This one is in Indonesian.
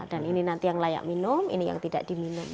ini nanti yang layak minum ini yang tidak diminum